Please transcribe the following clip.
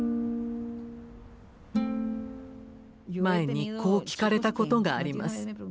前にこう聞かれたことがあります。